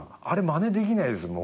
あれまねできないです。